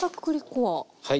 はい。